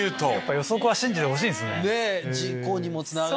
予測は信じてほしいんすね。